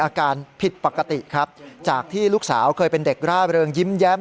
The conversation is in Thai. อาการผิดปกติครับจากที่ลูกสาวเคยเป็นเด็กร่าเริงยิ้มแย้ม